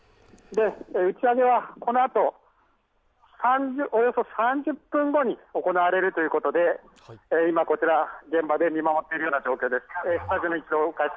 打ち上げはこのあとおよそ３０分後に行われるということで今、現場で見守っている状況です。